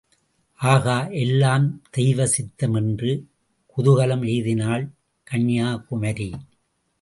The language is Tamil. ஆஹா, எல்லாம் தெய்வசித்தம் என்று குதூகலம் எய்தினாள் கன்யாகுமரி.